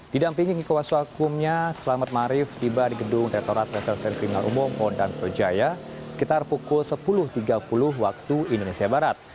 didampingi kuasa hukumnya selamat marif tiba di gedung rektorat reserse kriminal umum polda metro jaya sekitar pukul sepuluh tiga puluh waktu indonesia barat